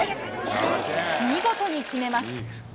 見事に決めます。